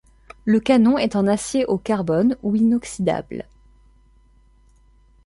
Le canon est en acier au carbone ou inoxydable.